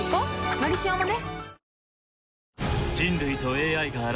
「のりしお」もね